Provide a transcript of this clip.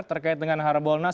terkait dengan harbolnas